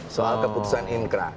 soal keputusan inkrah